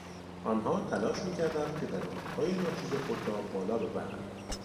آنها تلاش میکردند که درآمدهای ناچیز خود را بالا ببرند.